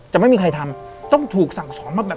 จะไม่มีใครทำ